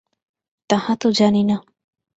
তাহা তো জানি না।